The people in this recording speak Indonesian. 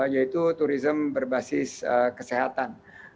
yaitu turisme berbasis kesehatan